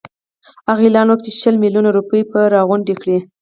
هغه اعلان وکړ چې شل میلیونه روپۍ به راغونډي کړي.